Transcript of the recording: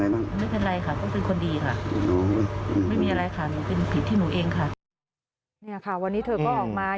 น้อยใจค่ะขอสมควรด้วยนะคะ